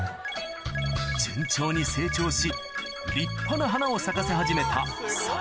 順調に成長し立派な花を咲かせ始めたさやあかね